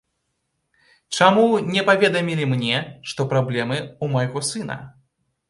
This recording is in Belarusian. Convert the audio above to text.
Чаму не паведамілі мне, што праблемы ў майго сына?